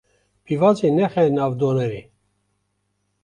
Pîvazê nexe nav donerê.